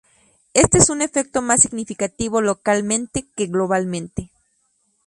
Este es un efecto más significativo localmente que globalmente.